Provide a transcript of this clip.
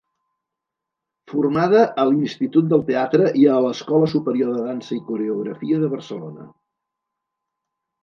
Formada a l'Institut del Teatre i a l'Escola Superior de Dansa i coreografia de Barcelona.